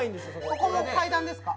ここも階段ですか？